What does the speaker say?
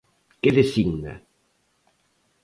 Que designa?